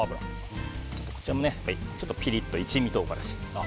こちらもピリッと、一味唐辛子。